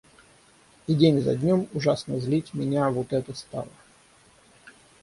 И день за днем ужасно злить меня вот это стало.